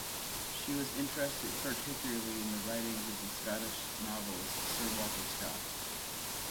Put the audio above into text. She was interested particularly in the writings of the Scottish novelist Sir Walter Scott.